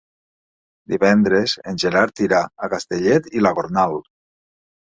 Divendres en Gerard irà a Castellet i la Gornal.